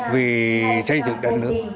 vì xây dựng đất nước